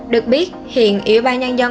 được biết hiện ủy ban nhân dân